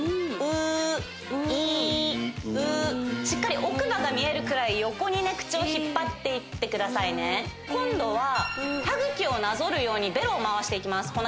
しっかり奥歯が見えるくらい横にね口を引っ張っていってくださいね今度は歯茎をなぞるようにベロを回していきます